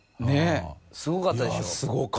すごかったでしょ。